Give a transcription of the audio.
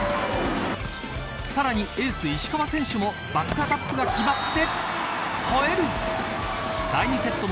さらにエース石川選手もバックアタックが決まって